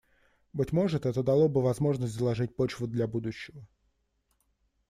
Быть может, это дало бы возможность заложить почву для будущего.